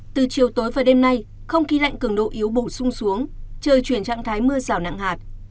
từ chiều tối và đêm nay không khí lạnh cường độ yếu bổ sung xuống trời chuyển trạng thái mưa rào nặng hạt